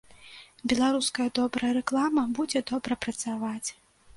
Беларуская добрая рэклама будзе добра працаваць.